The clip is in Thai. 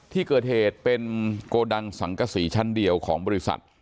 ที่เกิดเหตุเป็นโกดังสังกษีชั้นเดียวของบริษัท